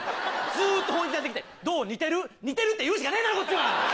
ずっとホンイキでやってきて「どう？似てる？」。「似てる」って言うしかねえだろこっちは！